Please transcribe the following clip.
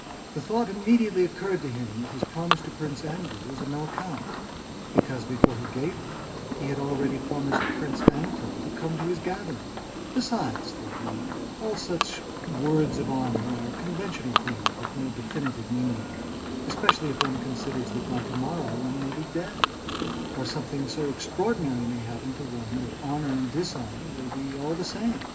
The thought immediately occurred to him that his promise to Prince Andrew was of no account, because before he gave it he had already promised Prince Anatole to come to his gathering; "besides," thought he, "all such 'words of honor' are conventional things with no definite meaning, especially if one considers that by tomorrow one may be dead, or something so extraordinary may happen to one that honor and dishonor will be all the same!"